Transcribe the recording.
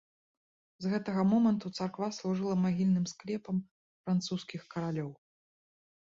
З гэтага моманту царква служыла магільным склепам французскіх каралёў.